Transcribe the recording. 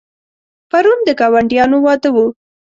پرون د ګاونډیانو واده و.